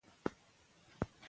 شاه شجاع د خپل پلار غوندې نه و.